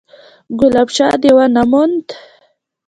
_ګلاب شاه دې ونه موند؟